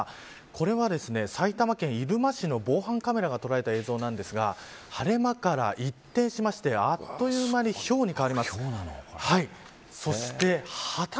これは埼玉県入間市の防犯カメラが捉えた映像なんですが晴れ間から一転しましてあっという間にひょうに変わりました。